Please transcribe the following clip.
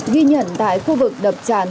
ghi nhận tại khu vực đập tràn